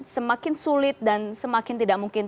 semakin sulit dan semakin tidak mungkin